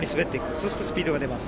そうするとスピードが出ます。